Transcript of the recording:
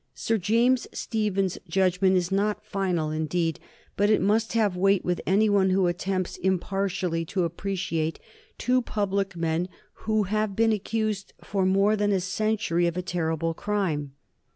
Sir James Stephen's judgment is not final, indeed, but it must have weight with any one who attempts impartially to appreciate two public men who have been accused for more than a century of a terrible crime.